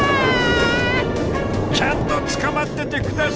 ちゃんとつかまってて下さいね。